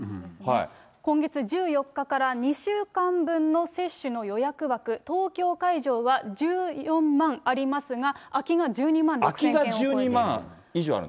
今月１４日から２週間分の接種の予約枠、東京会場は１４万ありますが、空きが１２万６０００件を超えている。